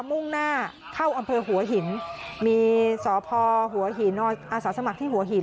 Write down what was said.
มุ่งหน้าเข้าอำเภอหัวหินมีสพหัวหินอาสาสมัครที่หัวหิน